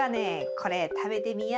これ食べてみや。